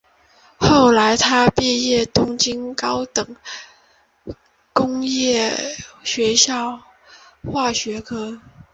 后来他毕业于东京高等工业学校化学科。